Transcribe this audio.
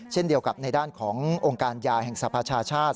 เช่นเดียวกับในด้านขององค์การยาแห่งสรรพชาชาติ